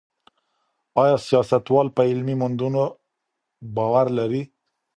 ايا سياستوال په علمي موندنو باور لري؟